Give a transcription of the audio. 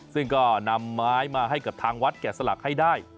ซึ่งก็นำไม้มาให้กับทางวัดแกะสลักให้ได้